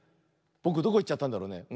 ぼくどこいっちゃったんだろうね。